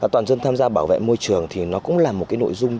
toàn dân tham gia bảo vệ môi trường thì nó cũng là một cái nội dung